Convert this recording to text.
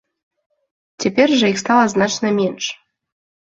Цяпер жа іх стала значна менш.